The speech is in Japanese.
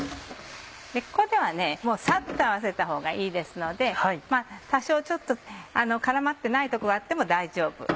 ここではもうサッと合わせたほうがいいですので多少絡まってないとこがあっても大丈夫。